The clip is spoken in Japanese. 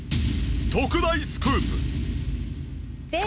特大スクープ。